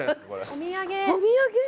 お土産？